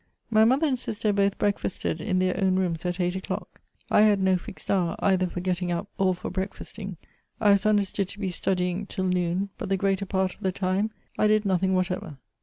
My mother and sister hoth breakfasted in their own rooms at eight o'clock. I had no fixed hour, either for getting up or for breakfasting : I was understood to be studying till noon, but the greater part of the time I did nothing whatever.